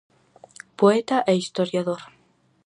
Poeta e historiador.